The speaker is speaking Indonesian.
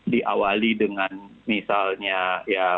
diawali dengan misalnya